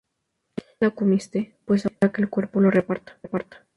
¿Ya te lo comiste? Pues ahora que el cuerpo lo reparta